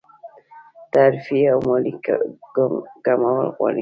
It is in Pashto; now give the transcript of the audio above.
تعرفې او مالیې کمول غواړي.